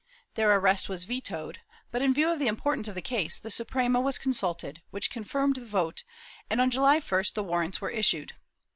Their arrest was voted but, in view of the importance of the case, the Suprenia was consulted, which confirmed the vote and, on July 1st, the warrants were issued.